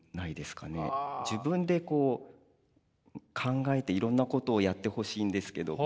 自分でこう考えていろんなことをやってほしいんですけど。